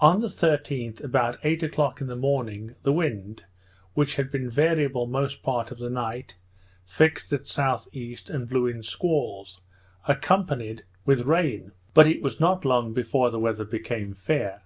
On the 13th, about eight o'clock in the morning, the wind, which had been variable most part of the night, fixed at S.E., and blew in squalls, accompanied with rain; but it was not long before the weather became fair.